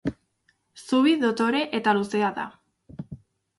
Zubi dotore eta luzea da.